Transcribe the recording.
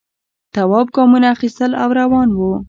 تواب گامونه اخیستل او روان و.